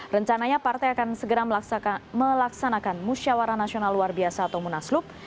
rencananya partai akan segera melaksanakan musyawara nasional luar biasa atau munaslup